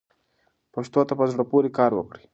پښتو ته په زړه پورې کار وکړئ.